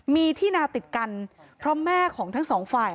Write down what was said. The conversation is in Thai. มีที่นาติดกันเพราะแม่ของทั้งสองฝ่าย